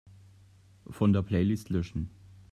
Von der Playlist löschen.